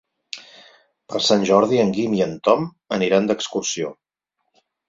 Per Sant Jordi en Guim i en Tom aniran d'excursió.